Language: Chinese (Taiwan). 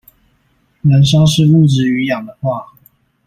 燃燒是物質與氧的化合